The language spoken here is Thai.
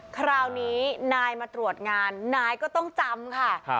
คราวนี้นายมาตรวจงานนายก็ต้องจำค่ะ